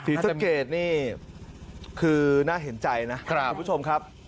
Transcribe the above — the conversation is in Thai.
ศรีสะเกดนี่คือน่าเห็นใจนะคุณผู้ชมครับ